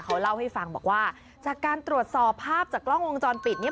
เขาเล่าให้ฟังบอกว่าจากการตรวจสอบภาพจากกล้องวงจรปิดเนี่ย